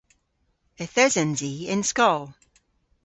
Yth esens i y'n skol.